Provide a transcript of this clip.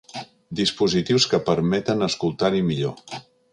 Dispositius que permeten escoltar-hi millor.